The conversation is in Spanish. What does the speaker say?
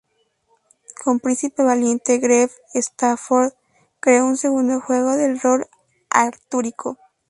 Con "Príncipe Valiente" Greg Stafford creó su segundo juego de rol artúrico.